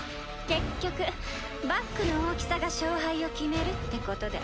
結局バックの大きさが勝敗を決めるってことで。